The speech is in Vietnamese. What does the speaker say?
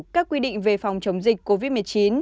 các quy định về phòng chống dịch covid một mươi chín